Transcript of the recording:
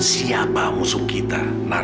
siapa musuh kita